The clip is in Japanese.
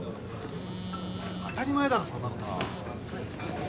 当たり前だろそんな事。